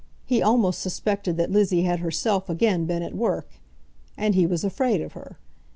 He almost suspected that Lizzie had herself again been at work, and he was afraid of her.